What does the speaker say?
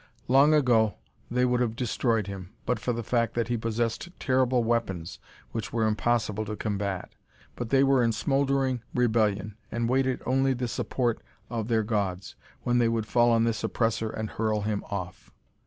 Long ago they would have destroyed him, but for the fact that he possessed terrible weapons which were impossible to combat. But they were in smouldering rebellion and waited only the support of their gods, when they would fall on this oppressor and hurl him off.